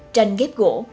tranh ghép gỗ